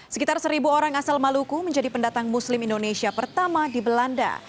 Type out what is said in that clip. sekitar seribu orang asal maluku menjadi pendatang muslim indonesia pertama di belanda